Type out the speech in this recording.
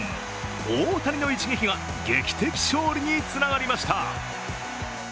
大谷の一撃が劇的勝利につながりました。